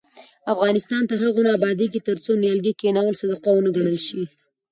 افغانستان تر هغو نه ابادیږي، ترڅو نیالګي کښینول صدقه ونه ګڼل شي.